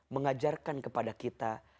mengajarkan kepada kita